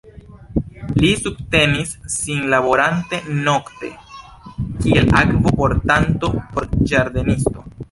Li subtenis sin laborante nokte kiel akvo-portanto por ĝardenisto.